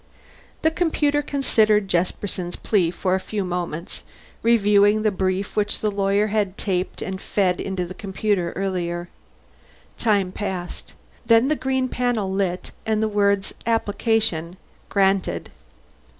The computer considered Jesperson's plea a few moments, reviewing the brief which the lawyer had taped and fed to the computer earlier. Time passed. Then the green panel lit, and the words, APPLICATION GRANTED.